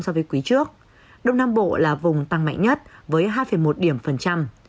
so với quý trước đông nam bộ là vùng tăng mạnh nhất với hai một điểm phần trăm